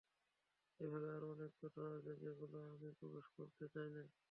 এভাবে আরও অনেক কথা আছে, যেগুলোতে আমি প্রবেশ করতে চাই না।